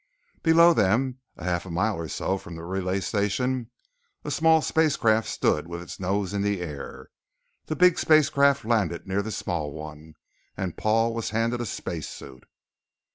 Below them, a half mile or so from the relay station, a small spacecraft stood with its nose in the air. The big spacecraft landed near the small one, and Paul was handed a space suit.